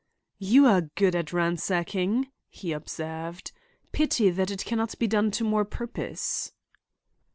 "You are good at ransacking," he observed; "pity that it can not be done to more purpose."